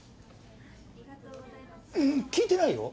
聞いてないよ？